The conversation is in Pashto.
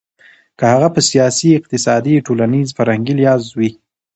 که هغه په سياسي، اقتصادي ،ټولنيز، فرهنګي لحاظ وي .